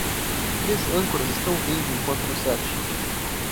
Três âncoras estão rindo enquanto no set.